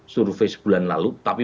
survei sebulan lalu tapi